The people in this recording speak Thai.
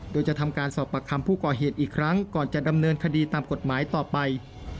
โดยจะทำการสอบปากคำผู้ก่อเหตุอีกครั้งก่อนจะดำเนินคดีตามกฎหมายต่อไป